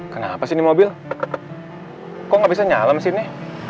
kenapa sih mobil kok bisa nyala mesinnya